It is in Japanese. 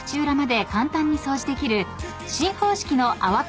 裏まで簡単に掃除できる新方式の泡